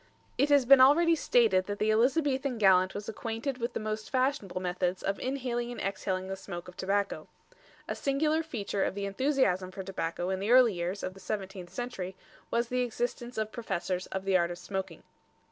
It has been already stated that the Elizabethan gallant was acquainted with the most fashionable methods of inhaling and exhaling the smoke of tobacco. A singular feature of the enthusiasm for tobacco in the early years of the seventeenth century was the existence of professors of the art of smoking.